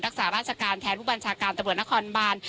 รักษาราชการแทนผู้บัญชาการตำรวจนครบาน